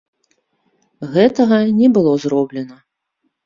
Гэтага не было зроблена.